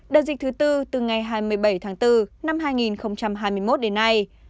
đợt dịch thứ tư từ ngày hai mươi bảy tháng bốn năm hai nghìn hai mươi một đến nay